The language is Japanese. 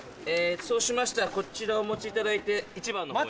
そうしましたらこちらお持ちいただいて１番のほうへ。